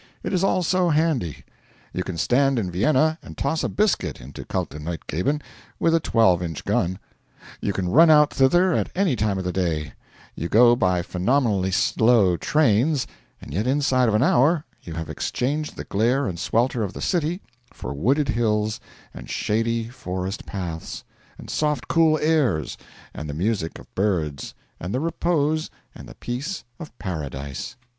It is all so handy. You can stand in Vienna and toss a biscuit into Kaltenleutgeben, with a twelve inch gun. You can run out thither at any time of the day; you go by phenomenally slow trains, and yet inside of an hour you have exchanged the glare and swelter of the city for wooded hills, and shady forest paths, and soft cool airs, and the music of birds, and the repose and the peace of paradise.